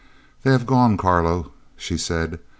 "They have gone, Carlo," she said.